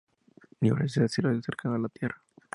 Nyx es un asteroide cercano a la Tierra.